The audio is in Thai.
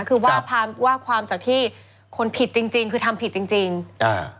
คือว่าความว่าความจากที่คนผิดจริงจริงคือทำผิดจริงจริงอ่า